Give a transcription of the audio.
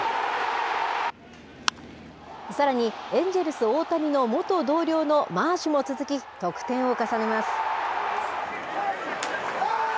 さらにエンジェルス、大谷の元同僚のマーシュも続き、得点を重ねます。